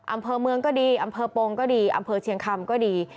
อำเภอเมืองก็ดีอำเภอปงก็ดีอำเภอเชียงคำก็ดี